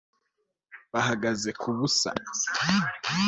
bahagaze ku busa